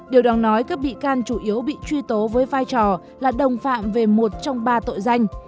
điều đáng nói các bị can chủ yếu bị truy tố với vai trò là đồng phạm về một trong ba tội danh